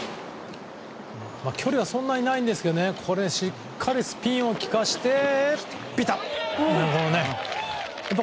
距離はそんなにないんですがしっかりスピンを利かせてピタッと。